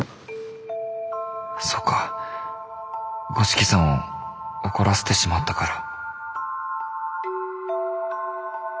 そうか五色さんを怒らせてしまったから。